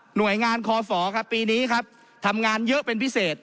หน่วยงานคอฝครับปีนี้ครับทำงานเยอะเป็นพิเศษ